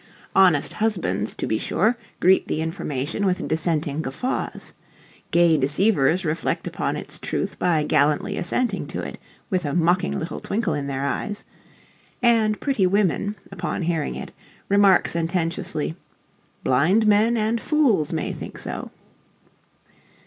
Honest husbands, to be sure, greet the information with dissenting guffaws; gay deceivers reflect upon its truth by gallantly assenting to it, with a mocking little twinkle in their eyes; and pretty women, upon hearing it, remark sententiously "Blind men and fools may think so."